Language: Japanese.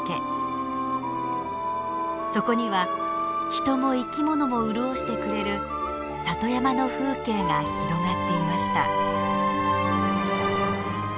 そこには人も生きものも潤してくれる里山の風景が広がっていました。